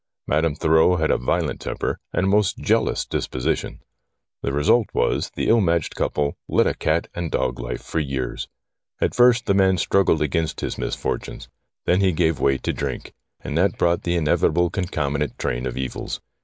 Madame Thurreau had a violent temper and a most jealous disposition. The result was, the ill matched couple led a cat and dog life for years. At first the man struggled against his misfortunes ; then he gave way to drink, and that brought the inevitable concomitant train of evils.